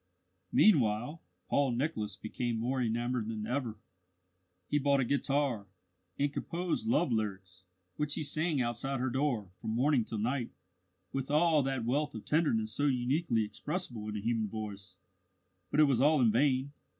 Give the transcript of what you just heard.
Meanwhile, Paul Nicholas became more enamoured than ever. He bought a guitar, and composed love lyrics which he sang outside her door, from morning till night, with all that wealth of tenderness so uniquely expressible in a human voice but it was all in vain.